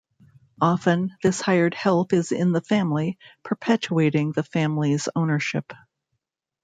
Often, this hired help is in the family, perpetuating the family's ownership.